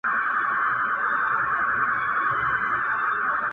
وجود دې ستا وي زه د عقل له ښيښې وځم”